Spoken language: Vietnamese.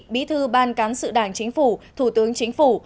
bí thư ban cán sự đảng chính phủ thủ tướng chính phủ